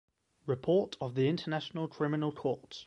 Report of the International Criminal Court.